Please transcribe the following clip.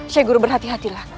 syekh guru berhati hatilah